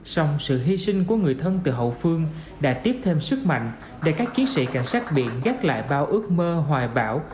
xong sự hy sinh của người thân từ hậu phương đã tiếp thêm sức mạnh để các chiến sĩ cảnh sát biển gắt lại bao ước mơ hoài bảo